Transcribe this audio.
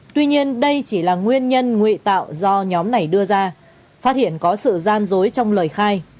tuy nhiên đây chỉ là nguyên nhân ngụy tạo do nhóm này đưa ra phát hiện có sự gian dối trong lời khai